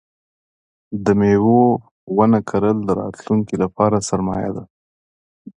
د مېوو ونه کرل د راتلونکي لپاره سرمایه ده.